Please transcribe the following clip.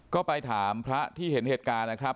ก็ไปถามพระที่เห็นเหตุการณ์นะครับ